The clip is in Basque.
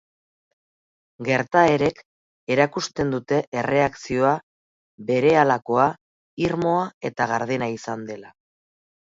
Gertaerek erakusten dute erreakzioa berehalakoa, irmoa eta gardena izan dela.